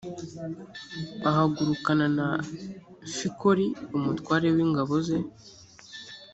ahagurukana na fikoli umutware w ingabo ze